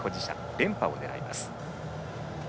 連覇を狙います。